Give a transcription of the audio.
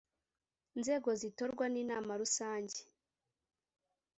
nzego zitorwa n inama rusange